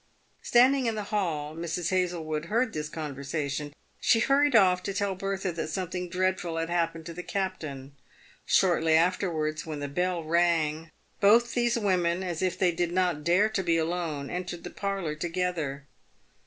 Standing in the hall, Mrs. Hazlewood heard this conversation. She hurried off to tell Bertha that something dreadful had happened to the captain. Shortly afterwards, when the bell rang, both these women, as if they did not dare to be alone, entered the parlour toge ther.